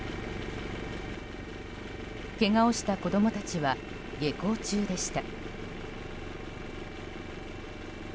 けがをした子供たちは下校中でした。